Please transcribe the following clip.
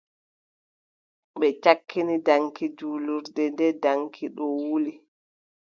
Ɓe cakkini daŋki jurlirnde, nden daŋki ɗo wuli.